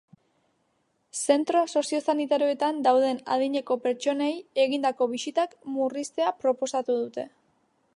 Zentro soziosanitarioetan dauden adineko pertsonei egindako bisitak murriztea proposatu dute.